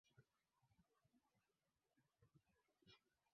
mpaka wa sasa na kwa hivyo sasa umepata rusha